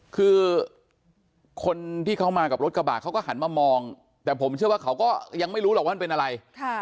คือคนที่เขามากับรถกระบะเขาก็หันมามองแต่ผมเชื่อว่าเขาก็ยังไม่รู้หรอกว่ามันเป็นอะไร